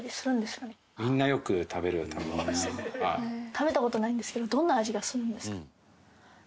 食べた事ないんですけどどんな味がするんですか？